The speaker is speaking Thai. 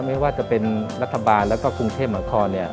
ไม่ว่าจะเป็นรัฐบาลแล้วก็กรุงเทพมหานคร